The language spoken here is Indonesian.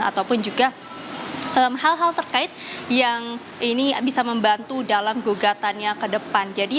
ataupun juga hal hal terkait yang ini bisa membantu dalam gugatannya ke depan